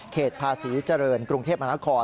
เขตภาษีเจริญกรุงเทพอนาคอ